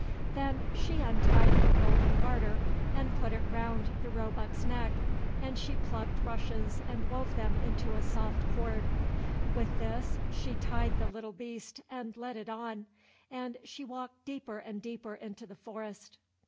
Then she untied her golden garter and put it round the roebuck's neck, and she plucked rushes and wove them into a soft cord. With this she tied the little beast and led it on, and she walked deeper and deeper into the forest.